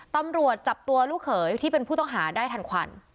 ตำรวจจับตัวลูกเขยที่เป็นผู้ต้องหาได้ทันควัน